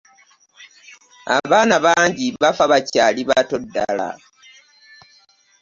Abaana bangi bafa bakyali bato ddala.